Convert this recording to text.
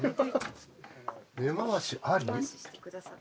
根回しあり？